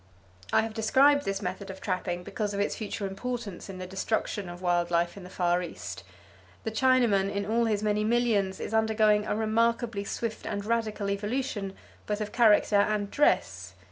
I have described this method of trapping because of its future importance in the destruction of wild life in the Far East. The Chinaman in all his many millions is undergoing a remarkably swift and radical evolution both of character and dress.